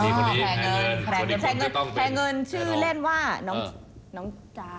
อ๋อแพร่เงินแพร่เงินชื่อเล่นว่าน้องจา